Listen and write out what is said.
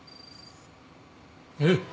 えっ。